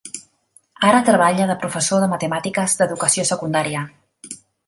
Ara treballa de professor de matemàtiques d'educació secundària.